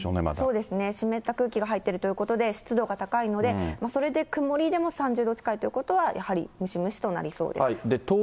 そうですね、湿った空気が入ってるということで、湿度が高いので、それで曇りでも３０度近いということは、やはりムシムシとなりそうです。